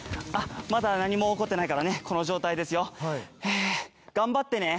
まだ何も起こってないからねこの状態ですよ。頑張ってね。